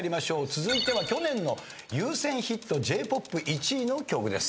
続いては去年のＵＳＥＮＨＩＴＪ−ＰＯＰ１位の曲です。